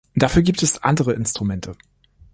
Dafür gibt es andere Instrumente.